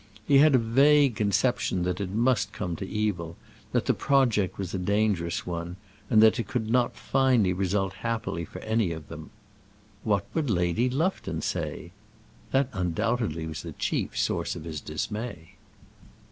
He had a vague conception that it must come to evil; that the project was a dangerous one; and that it could not finally result happily for any of them. What would Lady Lufton say? That undoubtedly was the chief source of his dismay.